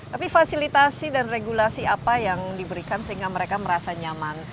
tapi fasilitasi dan regulasi apa yang diberikan sehingga mereka merasa nyaman